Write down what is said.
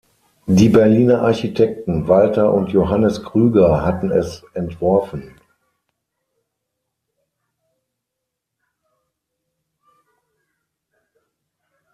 Die Berliner Architekten Walter und Johannes Krüger hatten es entworfen.